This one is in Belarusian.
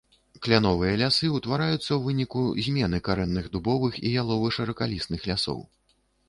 Кляновыя лясы ўтвараюцца ў выніку змены карэнных дубовых і ялова-шыракалістых лясоў.